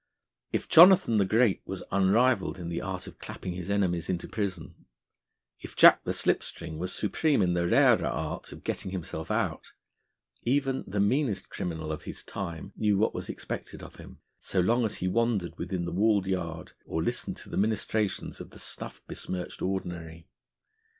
If Jonathan the Great was unrivalled in the art of clapping his enemies into prison, if Jack the Slip string was supreme in the rarer art of getting himself out, even the meanest criminal of his time knew what was expected of him, so long as he wandered within the walled yard, or listened to the ministrations of the snuff besmirched Ordinary.